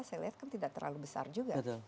saya lihat kan tidak terlalu besar juga